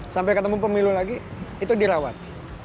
sampai ketemu pemilu lagi itu dirawat